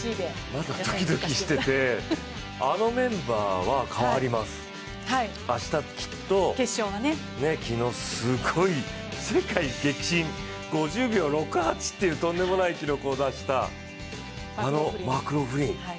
まだドキドキしてて、あのメンバーは変わります、明日、きっと昨日、世界激震、５０秒６８というとんでもない記録を出したあのマクローフリン。